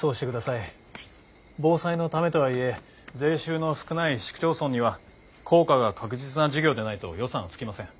防災のためとはいえ税収の少ない市区町村には効果が確実な事業でないと予算はつきません。